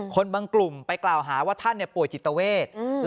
บางกลุ่มไปกล่าวหาว่าท่านป่วยจิตเวท